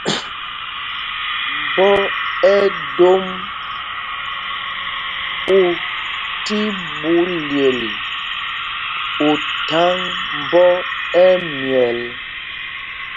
Mbɔ ɛdom ú tí ɓu lyel ú thaŋ mbɔ ɛmyɛl.